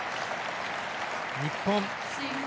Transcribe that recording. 日本。